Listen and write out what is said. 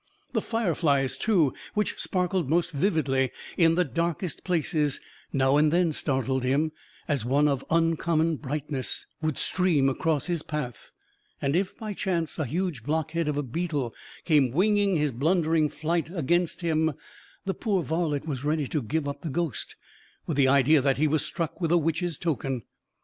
The fire flies, too, which sparkled most vividly in the darkest places, now and then startled him, as one of uncommon brightness would stream across his path; and if, by chance, a huge blockhead of a beetle came winging his blundering flight against him, the poor varlet was ready to give up the ghost, with the idea that he was struck with a witch's token.